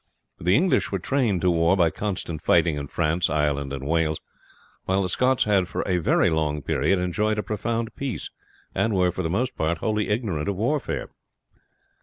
The English were trained to war by constant fighting in France, Ireland, and Wales; while the Scots had, for a very long period, enjoyed a profound peace, and were for the most part wholly ignorant of warfare.